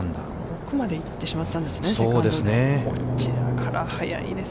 奥まで行ってしまったんですね、セカンドで。